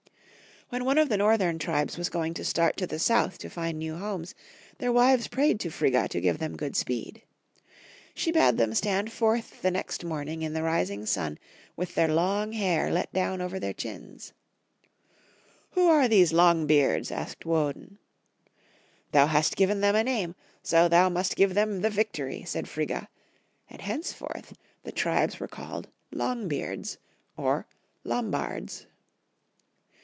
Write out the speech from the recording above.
When one of the northern tribes was going to start to the south to find new homes, their wives prayed to Frigga to give them good speed. She bade them stand forth the next morning in the rising Valhall 29 sun with their long hair let down over their chins. "Who are these long beards?" asked Woden. " Thou hast given them a name, so thou must give them the victory," said Frigga; and henceforth the tribes were called Longbeards, or Lombards.